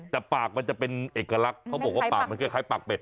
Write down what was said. แต่ปากมันจะเป็นเอกลักษณ์เขาบอกว่าปากมันคล้ายปากเป็ด